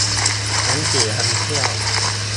หนังสือนำเที่ยว